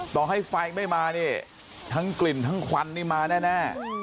ต่อให้ไฟไม่มาเนี่ยทั้งกลิ่นทั้งควันนี่มาแน่